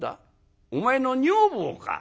お前の女房か！